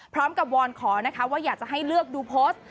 วอนขอนะคะว่าอยากจะให้เลือกดูโพสต์